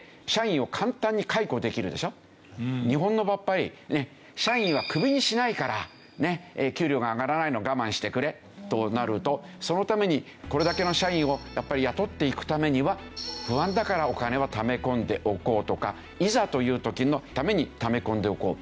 日本の場合社員はクビにしないから給料が上がらないのを我慢してくれとなるとそのためにこれだけの社員をやっぱり雇っていくためには不安だからお金はため込んでおこうとかいざという時のためにため込んでおこう。